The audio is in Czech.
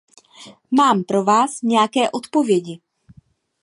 Mám pro vás nějaké odpovědi.